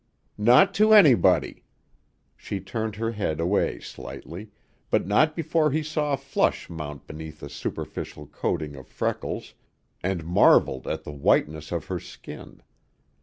"Not to anybody." She turned her head away slightly, but not before he saw a flush mount beneath the superficial coating of freckles, and marveled at the whiteness of her skin.